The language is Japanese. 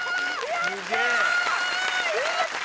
やった！